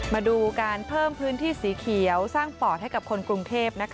มาดูการเพิ่มพื้นที่สีเขียวสร้างปอดให้กับคนกรุงเทพ